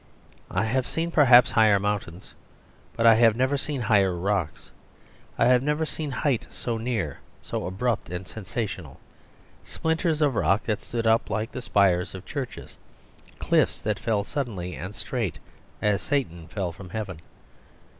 I have seen perhaps higher mountains, but I have never seen higher rocks; I have never seen height so near, so abrupt and sensational, splinters of rock that stood up like the spires of churches, cliffs that fell sudden and straight as Satan fell from heaven.